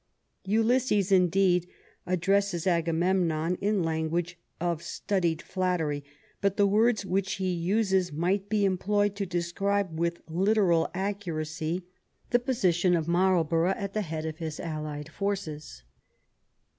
Ulysses, indeed, addresses Agamemnon in language of studied flattery, but the words which he uses might be employed to describe with literal accuracy the position of Marlborough at the head of his allied forces.